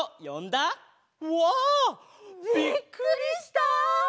うわ！びっくりした！